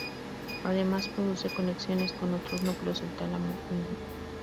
Además, produce conexiones con otros núcleos del tálamo mismo.